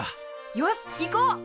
よし行こう！